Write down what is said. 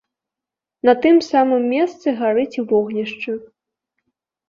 На тым самым месцы гарыць вогнішча.